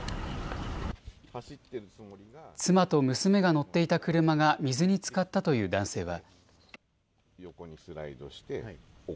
妻と娘が乗っていた車が水につかったという男性は。